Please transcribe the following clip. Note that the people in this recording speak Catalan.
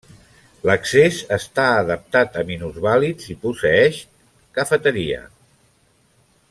L'accés està adaptat a minusvàlids i posseeix de cafeteria.